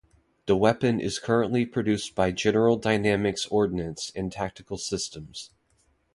The weapon is currently produced by General Dynamics Ordnance and Tactical Systems.